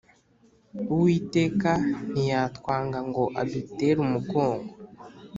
Uwiteka ntiyatwanga ngo adutere umugongo